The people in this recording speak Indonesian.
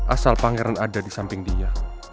asal pangeran ada di samping dia